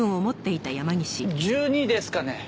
１２ですかね。